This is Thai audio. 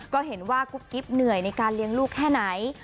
ก็เห็นว่ากุ๊บกิ๊บเหนื่อยในการเลี้ยงลูกแค่ไหน